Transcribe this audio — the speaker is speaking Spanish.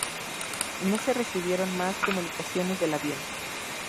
No se recibieron más comunicaciones del avión.